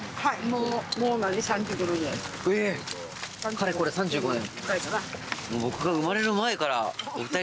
かれこれ３５年。